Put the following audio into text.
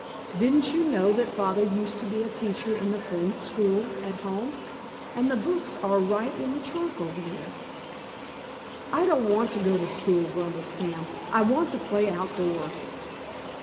Didn't you know that Father used to be a teacher in the Friends' School at home? And the books are right in the trunk over there." "I don't want to go to school," grumbled Sam, "I want to play outdoors."